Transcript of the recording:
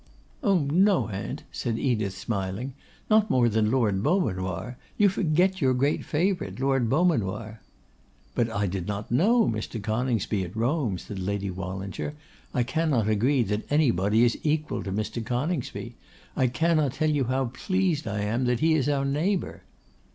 'Oh! no, aunt,' said Edith, smiling, 'not more than Lord Beaumanoir; you forget your great favourite, Lord Beaumanoir.' 'But I did not know Mr. Coningsby at Rome,' said Lady Wallinger; 'I cannot agree that anybody is equal to Mr. Coningsby. I cannot tell you how pleased I am that he is our neighbour!